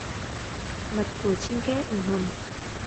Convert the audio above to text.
Mặt của Trinh khẽ ửng hồng